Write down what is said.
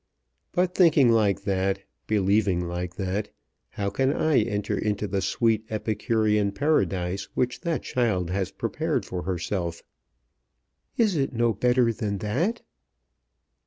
But thinking like that, believing like that, how can I enter into the sweet Epicurean Paradise which that child has prepared for herself?" "Is it no better than that?"